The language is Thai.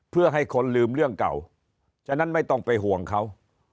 เพื่อให้คนลืมเรื่องเก่าฉะนั้นไม่ต้องไปห่วงเขา